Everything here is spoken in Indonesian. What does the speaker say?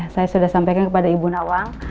saya sudah sampaikan kepada ibu nawang